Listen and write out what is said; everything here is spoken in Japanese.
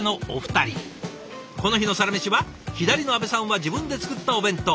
この日のサラメシは左の安部さんは自分で作ったお弁当。